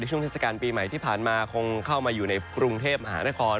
ช่วงเทศกาลปีใหม่ที่ผ่านมาคงเข้ามาอยู่ในกรุงเทพมหานคร